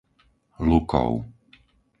Lukov